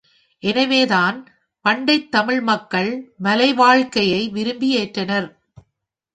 எனவேதான் பண்டைத் தமிழ் மக்கள் மலைவாழ்க்கையை விரும்பி ஏற்றனர்.